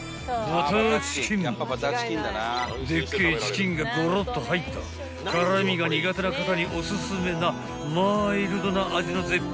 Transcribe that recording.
［でっけえチキンがごろっと入った辛味が苦手な方におすすめなマイルドな味の絶品］